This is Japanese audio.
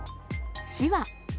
市は。